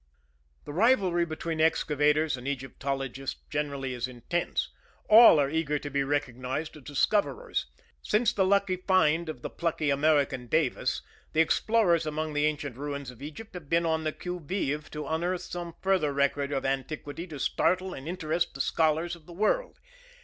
The rivalry among excavators and Egyptologists generally is intense. All are eager to be recognized as discoverers. Since the lucky find of the plucky American, Davis, the explorers among the ancient ruins of Egypt had been on the qui vive to unearth some farther record of antiquity to startle and interest the scholars of the world.